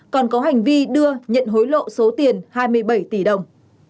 còn có hành vi đưa nhận hối lộ số tiền hai mươi bảy tỷ đồng